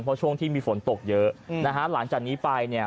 เพราะช่วงที่มีฝนตกเยอะนะฮะหลังจากนี้ไปเนี่ย